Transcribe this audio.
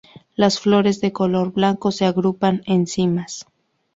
Las flores de color blanco se agrupan en cimas.